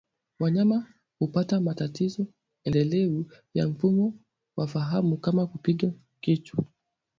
Wanyama hupata matatizo endelevu ya mfumo wa fahamu kama kupiga kichwa